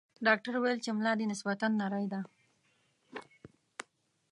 ډاکټر ویل چې ملا دې نسبتاً نرۍ ده.